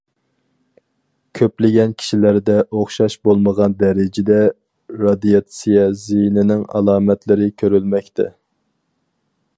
كۆپلىگەن كىشىلەردە ئوخشاش بولمىغان دەرىجىدە رادىياتسىيە زىيىنىنىڭ ئالامەتلىرى كۆرۈلمەكتە.